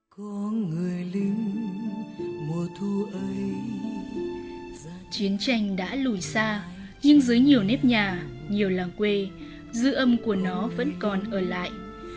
chiến tranh đã lùi xa nhưng dưới nhiều nếp nhà nhiều làng quê dư âm của nó vẫn còn ở lại